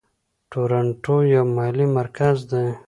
تورنټو یو مالي مرکز دی.